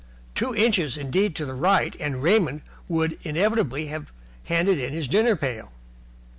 Two inches, indeed, to the right and Raymond must inevitably have handed in his dinner pail.